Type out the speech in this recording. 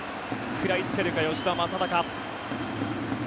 食らいつけるか、吉田正尚。